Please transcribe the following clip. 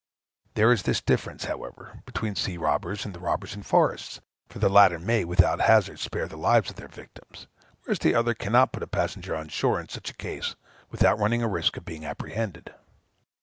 There is this difference, however, between sea robbers and the robbers in forests, that the latter may, without hazard, spare the lives of their victims; whereas the other cannot put a passenger on shore in such a case without running the risk of being apprehended.